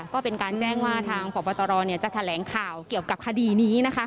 ก็เป็นการแจ้งว่าทางพบตรจะแถลงข่าวเกี่ยวกับคดีนี้นะคะ